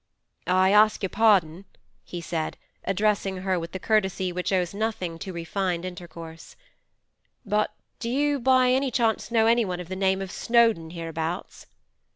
'I ask your pardon,' he said, addressing her with the courtesy which owes nothing to refined intercourse, 'but do you by chance know anyone of the name of Snowdon hereabouts?